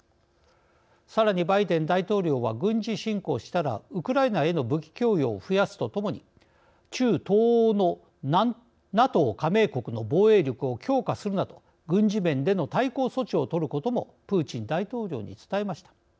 さらにバイデン大統領は軍事侵攻したらウクライナへの武器供与を増やすとともに中東欧のＮＡＴＯ加盟国の防衛力を強化するなど軍事面での対抗措置を取ることもプーチン大統領に伝えました。